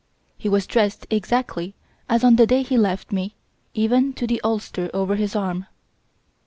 He was dressed exactly as on the day he left me even to the ulster over his arm.